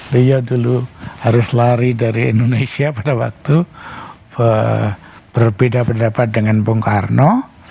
beliau dulu harus lari dari indonesia pada waktu berbeda pendapat dengan bung karno